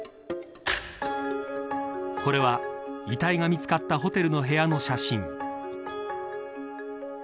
これは遺体が見つかったホテルの部屋の写真。